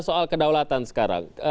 soal kedaulatan sekarang